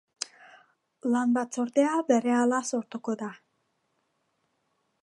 Lan batzordea berehala sortuko da.